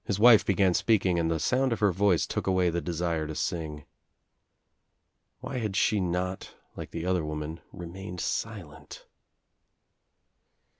His wife began speaking and the sound of her voice took away the desire to sing. Why had she not, like the other woman, re mained silent?